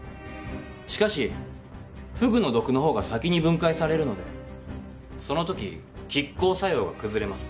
しかしフグの毒の方が先に分解されるのでそのとき拮抗作用が崩れます。